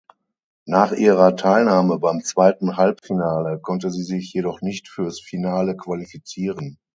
Nach ihrer Teilnahme beim zweiten Halbfinale konnte sie sich jedoch nicht fürs Finale qualifizieren.